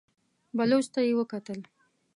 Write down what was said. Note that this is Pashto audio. بلوڅ ته يې وکتل.